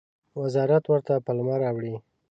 وزارت ورته پلمه راوړي.